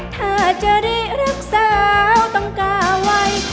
ถ้าจะได้รักษาต้องกาไว้